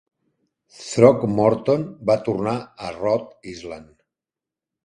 Throckmorton va tornar a Rhode Island.